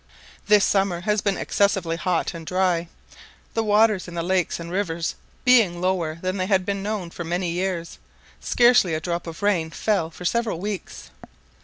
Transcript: This summer has been excessively hot and dry; the waters in the lakes and rivers being lower than they had been known for many years; scarcely a drop of rain fell for several weeks.